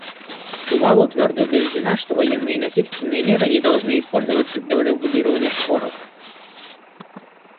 Тувалу твердо убеждена, что военные и насильственные меры не должны использоваться для урегулирования споров.